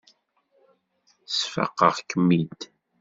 Sfaqeɣ-kem-id.